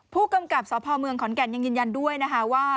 ผู้กำกับสพเมืองขอนแก่นยังยืนยันด้วยนะคะว่า